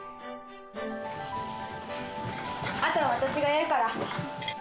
あとは私がやるから。